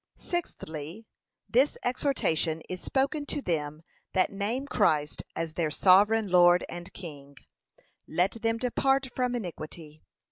Sixthly, This exhortation is spoken to them that name Christ as their Sovereign Lord and King: let them 'depart from iniquity.'